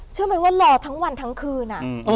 เชื่อไหมว่ารอทั้งวันทั้งคืน